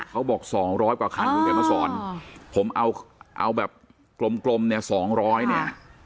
เขาบอกสองร้อยกว่าคันอ๋อผมเอาเอาแบบกลมกลมเนี้ยสองร้อยเนี้ย